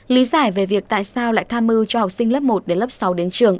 lý giải về việc tại sao lại tham mưu cho học sinh lớp một đến lớp sáu đến trường